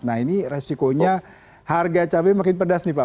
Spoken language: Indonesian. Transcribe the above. nah ini resikonya harga cabai makin pedas nih pak